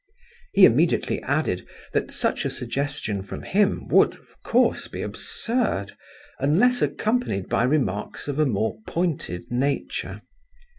He immediately added that such a suggestion from him would, of course, be absurd, unless accompanied by remarks of a more pointed nature.